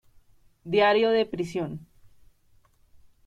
Diario de prisión".